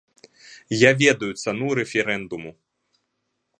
Я ведаю цану рэферэндуму.